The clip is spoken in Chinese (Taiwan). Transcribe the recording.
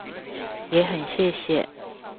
也很謝謝